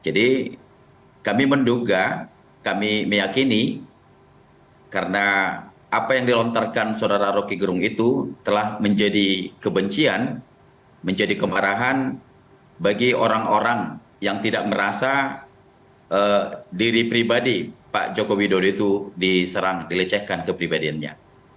jadi kami menduga kami meyakini karena apa yang dilontarkan saudara rocky gerung itu telah menjadi kebencian menjadi kemarahan bagi orang orang yang tidak merasa diri pribadi pak jokowi dori itu diserang dilecehkan kepribadiannya